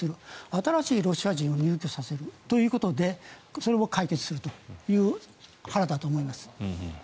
新しいロシア人を入居させるということでそれを解決するという腹だと思います。